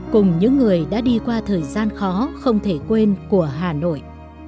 cùng những người đã đi qua thời gian khó không thể quên của hà nội